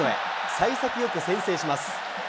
さい先よく先制します。